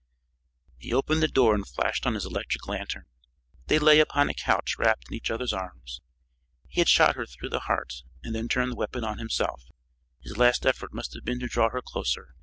He opened the door and flashed on his electric lantern. They lay upon a couch wrapped in each other's arms. He had shot her through the heart and then turned the weapon on himself; his last effort must have been to draw her closer.